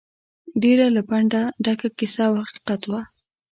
ډېره له پنده ډکه کیسه او حقیقت وه.